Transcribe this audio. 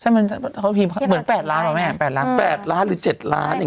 ใช่มั้ยเขาพิมพ์เหมือนแปดล้านหรอไหมแปดล้านแปดล้านหรือเจ็ดล้านอย่าง